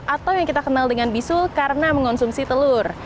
atau yang kita kenal dengan bisul karena mengonsumsi telur